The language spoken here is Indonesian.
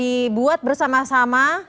ini sudah dibuat bersama sama